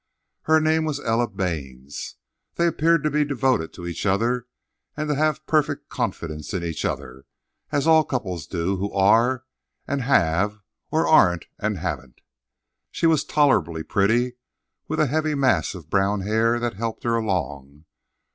Her name was Ella Baynes. They appeared to be devoted to each other, and to have perfect confidence in each other, as all couples do who are and have or aren't and haven't. She was tolerably pretty, with a heavy mass of brown hair that helped her along.